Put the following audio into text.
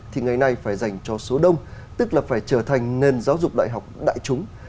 thì ngày nay phải dành cho số đông tức là phải trở thành nền giáo dục đại học đại chúng